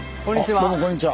あっどうもこんにちは。